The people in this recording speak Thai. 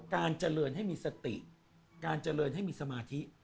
การเจริญให้มีสติการเจริญให้มีสมาธิ